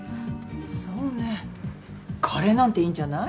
そうねカレーなんていいんじゃない？